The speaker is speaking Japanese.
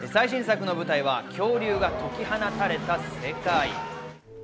最新作の舞台は恐竜が解き放たれた世界。